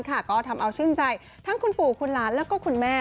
ก็ทำเอาชื่นใจทั้งคุณปู่คุณหลานแล้วก็คุณแม่